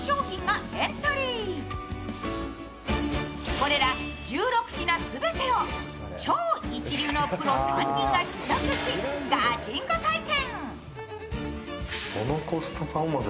これら１６品全てを超一流のプロ３人が試食しガチンコ採点。